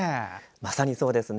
まさにそうですね。